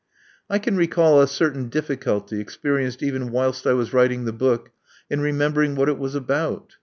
I can recall a certain difficulty, experienced even whilst I was writing the book, in remembering what it was about.